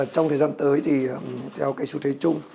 trong thời gian tới thì theo cái xu thế chung